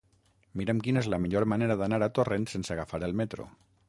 Mira'm quina és la millor manera d'anar a Torrent sense agafar el metro.